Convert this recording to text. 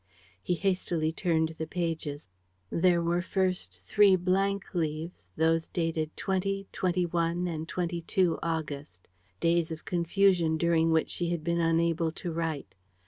He hastily turned the pages. There were first three blank leaves, those dated 20, 21 and 22 August: days of confusion during which she had been unable to write.